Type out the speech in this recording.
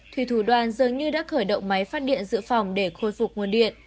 thủy thủ đoàn dường như đã khởi động máy phát điện dự phòng để khôi phục nguồn điện